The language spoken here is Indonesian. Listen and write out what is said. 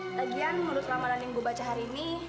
lagian menurut ramaran yang gue baca hari ini